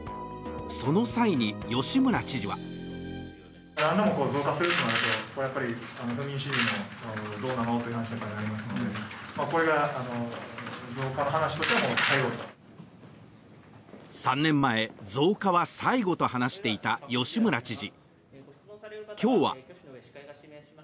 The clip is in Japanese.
その際に吉村知事は３年前、増加は最後と話していた吉村知事